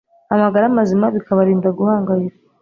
amagara mazima bikabarinda guhangayika